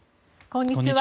こんにちは。